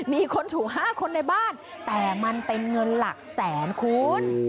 มีคนถูก๕คนในบ้านแต่มันเป็นเงินหลักแสนคุณ